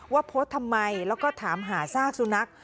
ว่าโพสต์ทำไมแล้วก็ถามหาซากสุนัข